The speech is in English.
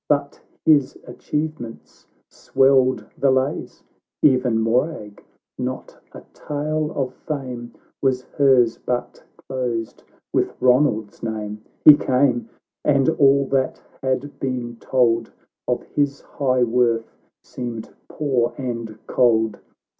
But his achievements swelled the lays ? Even Morag — not a tale of fame Was hers hut closed with Ronald's name. He came ! and all that had been told Of his high worth seemed poor and cold.